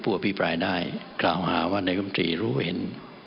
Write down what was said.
พูดปั่วพิปรายได้กล่าวหาว่านายกรมศรีรู้เห็น